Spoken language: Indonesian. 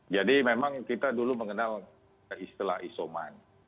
jadi memang kita dulu mengenal istilah isoman